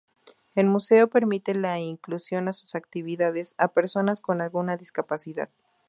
El museo permite la inclusión a sus actividades, a personas con alguna discapacidad.